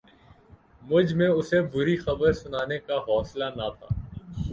مجھ میں اسے بری خبر سنانے کا حوصلہ نہ تھا